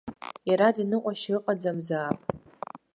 Иарада ныҟәашьа ыҟаӡамзаап.